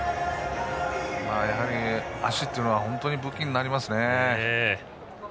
やはり足というのは本当に武器になりますね。